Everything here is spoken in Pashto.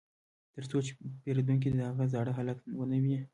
ترڅو پیرودونکي د هغه زاړه حالت ونه ویني